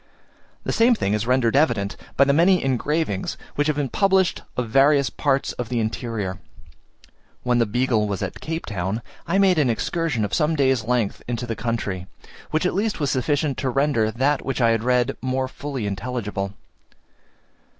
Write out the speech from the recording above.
The same thing is rendered evident by the many engravings which have been published of various parts of the interior. When the Beagle was at Cape Town, I made an excursion of some days' length into the country, which at least was sufficient to render that which I had read more fully intelligible.